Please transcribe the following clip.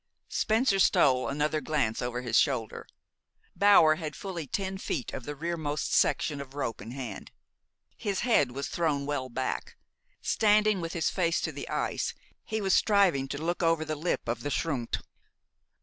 Spencer stole another glance over his shoulder. Bower had fully ten feet of the rearmost section of rope in hand. His head was thrown well back. Standing with his face to the ice, he was striving to look over the lip of the schrund.